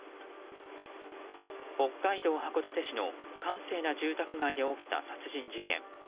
北海道函館市の閑静な住宅街で起きた殺人事件。